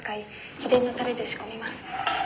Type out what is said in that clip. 「秘伝のタレで仕込みます。